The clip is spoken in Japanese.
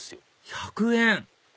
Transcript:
１００円！